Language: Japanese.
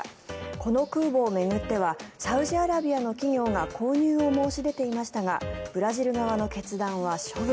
この空母を巡ってはサウジアラビアの企業が購入を申し出ていましたがブラジル側の決断は処分。